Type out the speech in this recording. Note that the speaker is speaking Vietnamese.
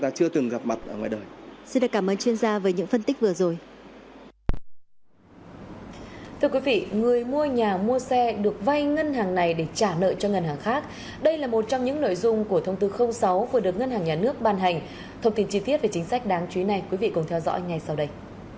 thưa quý vị người mua nhà mua xe được vay ngân hàng này để trả nợ cho ngân hàng khác đây là một trong những nội dung của thông tư sáu vừa được ngân hàng nhà nước ban hành thông tin chi tiết về chính sách đáng chú ý này quý vị cùng theo dõi ngay sau đây